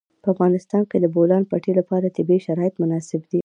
په افغانستان کې د د بولان پټي لپاره طبیعي شرایط مناسب دي.